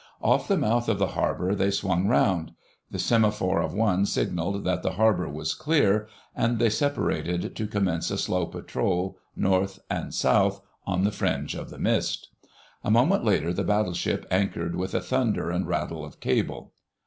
Off the mouth of the harbour they swung round: the semaphore of one signalled that the harbour was clear, and they separated, to commence a slow patrol North and South on the fringe of the mist. A moment later the Battleship anchored with a thunder and rattle of cable.